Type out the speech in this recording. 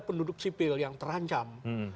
penduduk sipil yang terancam